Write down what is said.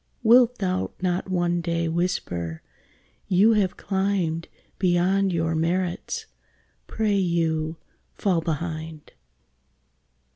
Wilt thou not one day whisper, "You have climbed Beyond your merits; pray you, fall behind"?